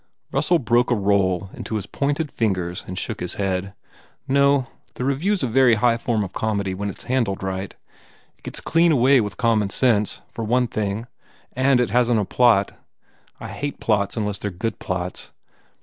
Russell broke a roll in his pointed fingers and shook his head. "No. ... The revue s a very high form of comedy when it s handled right. It gets clean away with common sense, for one thing. And it hasn t a plot. I hate plots unless they re good plots.